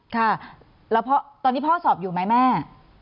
ค่ะแล้วตอนนี้พ่อสอบอยู่ไหมแม่